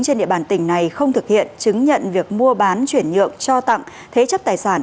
trên địa bàn tỉnh này không thực hiện chứng nhận việc mua bán chuyển nhượng cho tặng thế chấp tài sản